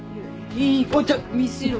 いいから見せろ。